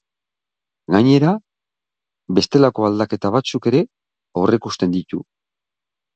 Gainera, bestelako aldaketa batzuk ere aurreikusten ditu.